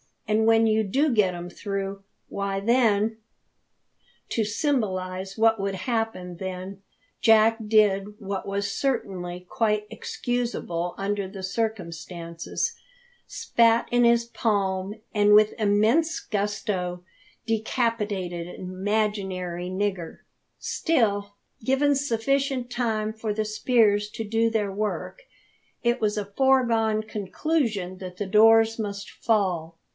"And when you do get 'em through, why then " To symbolise what would happen then, Jack did what was certainly quite excusable under the circumstances spat in his palm, and with immense gusto decapitated an imaginary nigger. Still, given sufficient time for the spears to do their work, it was a foregone conclusion that the doors must fall.